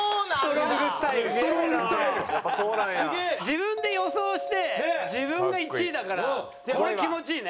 自分で予想して自分が１位だからこれ気持ちいいね。